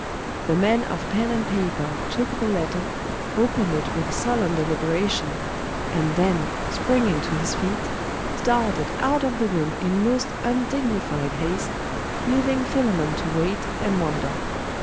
The man of pen and paper took the letter, opened it with solemn deliberation, and then, springing to his feet, darted out of the room in most undignified haste, leaving Philammon to wait and wonder.